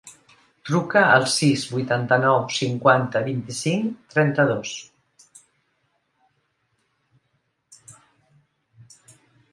Truca al sis, vuitanta-nou, cinquanta, vint-i-cinc, trenta-dos.